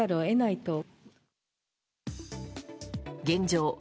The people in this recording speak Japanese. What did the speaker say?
現状